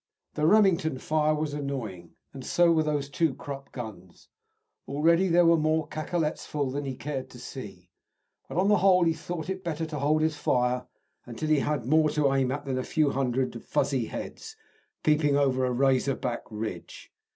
The Remington fire was annoying, and so were those two Krupp guns; already there were more cacolets full than he cared to see. But on the whole he thought it better to hold his fire until he had more to aim at than a few hundred of fuzzy heads peeping over a razor back ridge.